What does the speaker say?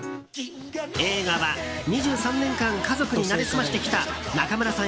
映画は、２３年間家族に成り済ましてきた中村さん